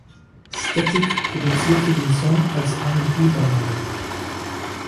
Static produzierte den Song als R&B-Ballade.